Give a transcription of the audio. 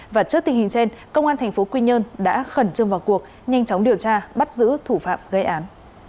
và trước tình hình trên công an tp quy nhơn đã khẩn trương vào cuộc nhanh chóng điều tra bắt giữ thủ phạm gây án